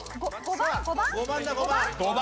５番だ５番。